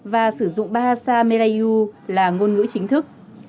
và sử dụng bahasa melayu là ngôn ngữ chính thức